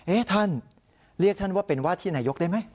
ท่านเรียกท่านว่าเป็นว่าที่นายกได้ไหม